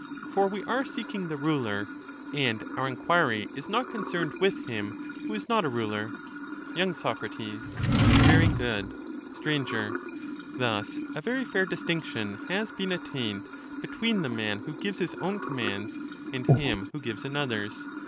For we are seeking the ruler; and our enquiry is not concerned with him who is not a ruler. y. Sac. Very good. Str. Thus a very fair distinction has been attained between 261 the man who gives his own commands, and him who gives another's.